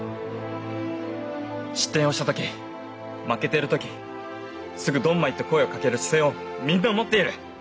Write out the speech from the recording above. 失点をした時負けてる時すぐ「ドンマイ」と声をかける姿勢をみんな持っている。